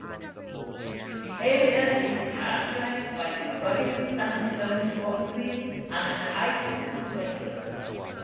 The area is characterised by rugged sandstone topography and high seasonal rainfall.